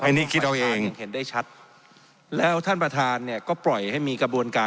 อันนี้คิดเอาเองเห็นได้ชัดแล้วท่านประธานเนี่ยก็ปล่อยให้มีกระบวนการ